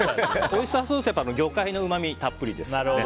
オイスターソースは魚介のうまみたっぷりですから。